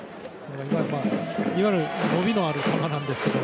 いわゆる伸びのある球なんですけど。